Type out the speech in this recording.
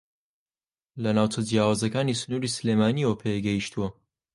لە ناوچە جیاوازەکانی سنووری سلێمانییەوە پێگەیشتووە